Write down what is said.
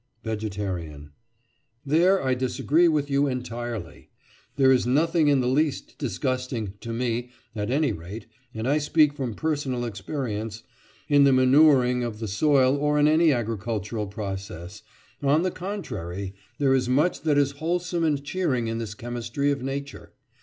VEGETARIAN: There I disagree with you entirely. There is nothing in the least disgusting, to me, at any rate (and I speak from personal experience), in the manuring of the soil or in any agricultural process—on the contrary, there is much that is wholesome and cheering in this chemistry of nature.